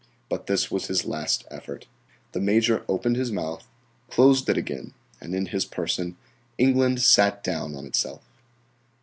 But this was his last effort. The Major opened his mouth, closed it again, and in his person England sat down on itself.